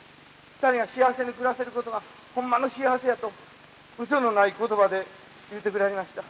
２人が幸せに暮らせることがホンマの幸せや」とうそのない言葉で言うてくれはりました。